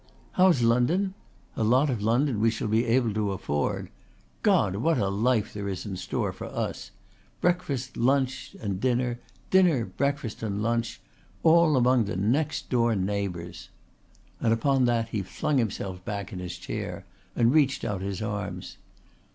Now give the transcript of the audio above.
"How's London? A lot of London we shall be able to afford! God! what a life there's in store for us! Breakfast, lunch and dinner, dinner, breakfast, lunch all among the next door neighbours." And upon that he flung himself back in his chair and reached out his arms.